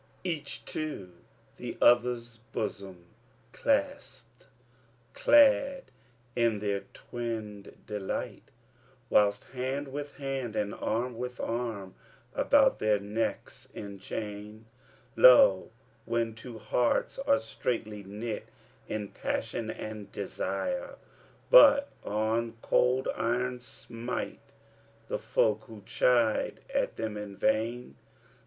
Each to the other's bosom clasped, clad in their twinned delight, Whilst hand with hand and arm with arm about their necks enchain Lo, when two hearts are straitly knit in passion and desire, But on cold iron smite the folk who chide at them in vain.